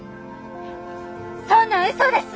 そんなんうそです！